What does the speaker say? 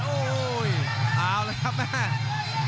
โอ้โหเอาเลยครับแม่